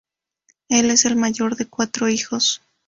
Él es el mayor de cuatro hijos.